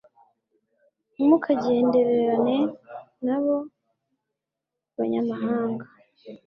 ntimukagendererane n'abo banyamahanga